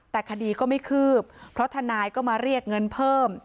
แต่คดีก็ไม่คืบเพราะทนายก็มาเรียกเงินเพิ่ม